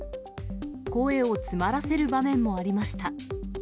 声を詰まらせる場面もありました。